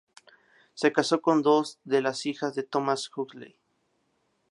Se casó con dos de las hijas de Thomas Huxley.